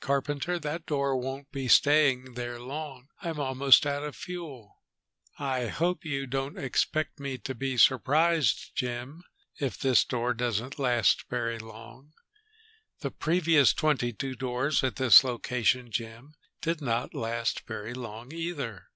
"Carpenter, that door won't be staying there long. I'm almost out of fuel." "I hope you don't expect me to be surprised, Jim, if this door doesn't last very long. The previous twenty two doors at this location, Jim, did not last very long either."